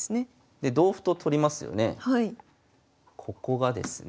で同歩と取りますよね。